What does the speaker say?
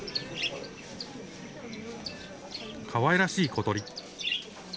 かわいらしい小鳥。